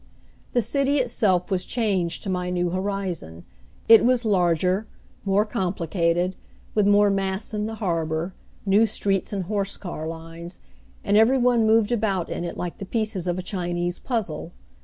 The city itself was changed to my new horizon. It was larger, more complicated, with more masts in the harbor, new streets and horse car lines, and every one moved about in it like the pieces of a Chinese puzzle.